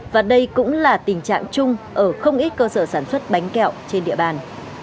và đây cũng là tình trạng chung ở không ít cơ sở sản xuất bánh kẹo trên địa bàn